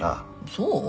そう？